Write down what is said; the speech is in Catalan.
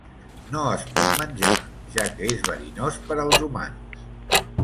No es pot menjar, ja que és verinós per als humans.